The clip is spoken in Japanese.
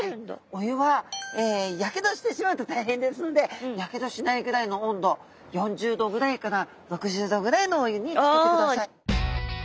お湯はやけどしてしまうと大変ですのでやけどしないぐらいの温度４０℃ぐらいから６０℃ぐらいのお湯につけてください。